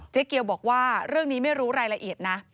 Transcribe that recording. เกียวบอกว่าเรื่องนี้ไม่รู้รายละเอียดนะ